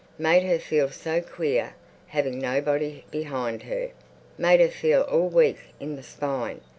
Made her feel so queer, having nobody behind her. Made her feel all weak in the spine.